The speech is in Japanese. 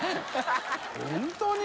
本当に？